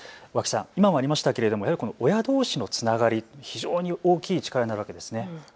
今もありましたけど親どうしのつながり、非常に大きい力になるわけですね。